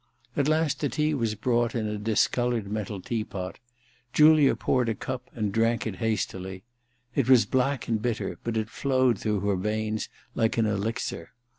At last the tea was brought in a discoloured metal tea pot. Julia poured a cup full and drank it hastily. It was black and bitter, but it flowed through her veins like an elixir.